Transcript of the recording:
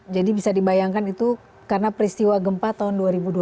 jadi bisa dibayangkan itu karena peristiwa gempa tahun dua ribu dua belas